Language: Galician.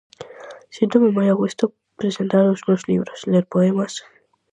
Síntome moi a gusto presentar os meus libros, ler poemas...